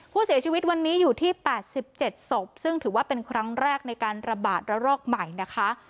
ผู้เสียชีวิตวันนี้อยู่ที่๘๗ศพซึ่งถือว่าเป็นครั้งแรกในการระบาดระลอกใหม่นะคะ